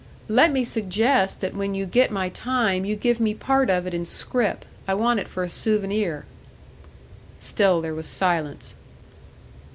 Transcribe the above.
"Let me suggest that when you get my time, you give me part of it in scrip. I want it for a souvenir." Still there was silence.